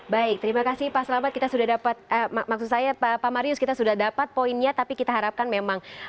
baik terima kasih pak selamat kita sudah dapat maksud saya pak marius kita sudah dapat poinnya tapi kita harapkan memang